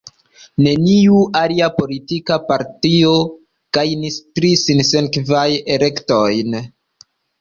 Neniu alia politika partio gajnis tri sinsekvajn elektojn.